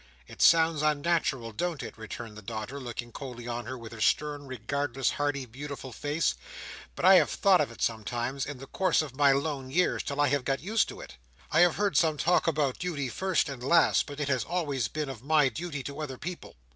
"It sounds unnatural, don't it?" returned the daughter, looking coldly on her with her stern, regardless, hardy, beautiful face; "but I have thought of it sometimes, in the course of my lone years, till I have got used to it. I have heard some talk about duty first and last; but it has always been of my duty to other people.